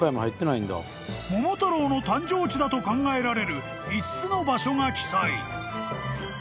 ［『桃太郎』の誕生地だと考えられる５つの場所が記載］